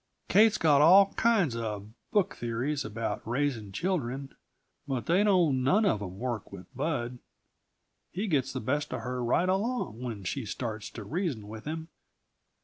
Kate's got all kinds of book theories about raising children, but they don't none of 'em work, with Bud. He gets the best of her right along when she starts to reason with him.